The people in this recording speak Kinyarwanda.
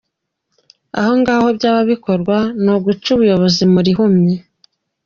Aho ngo byaba bikorwa ni uguca ubuyobozi mu rihumye.